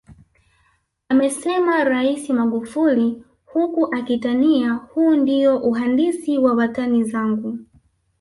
Amesema Rais Magufuli huku akitania huu ndiyo uhandisi wa watani zangu